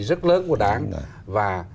rất lớn của đảng và